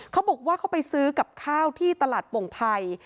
เขาบอกว่าเขาไปซื้อกับข้าวที่ตลาดโป่งภัย